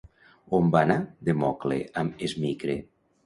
On va anar Democle amb Esmicre?